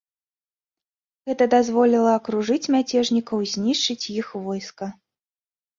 Гэта дазволіла акружыць мяцежнікаў і знішчыць іх войска.